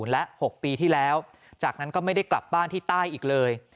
และ๖ปีที่แล้วจากนั้นก็ไม่ได้กลับบ้านที่ใต้อีกเลย